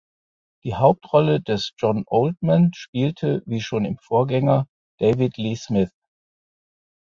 Die Hauptrolle des John Oldman spielte wie schon im Vorgänger David Lee Smith.